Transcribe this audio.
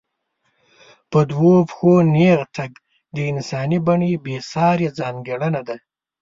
په دوو پښو نېغ تګ د انساني بڼې بېسارې ځانګړنه ده.